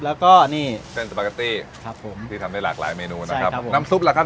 แล้วก็นี่เส้นสปาเกตตี้ครับผมที่ทำได้หลากหลายเมนูนะครับครับผมน้ำซุปล่ะครับ